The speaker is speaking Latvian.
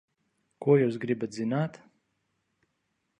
Ko jūs gribat zināt?